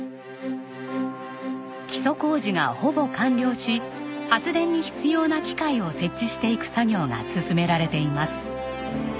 基礎工事がほぼ完了し発電に必要な機械を設置していく作業が進められています。